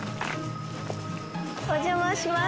お邪魔します。